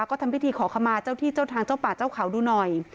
ก็ทำพิธีขอขมาเจ้าที่เจ้าทางเจ้าป่าเจ้าเขาดูหน่อย